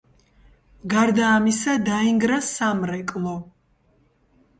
გარდა ამისა დაინგრა სამრეკლო.